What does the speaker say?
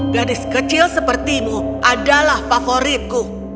gadis kecil sepertimu adalah favoritku